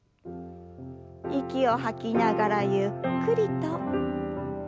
息を吐きながらゆっくりと。